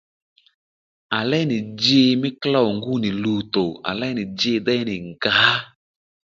À léy nì dji mí klôw ngú nì luwtò à léy nì ji déy nì ngǎ